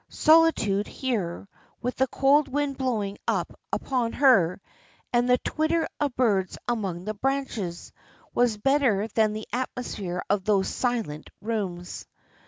Solitude here, with the cold wind blowing upon her, and the twitter of birds among the branches, was better than the atmosphere of those silent rooms.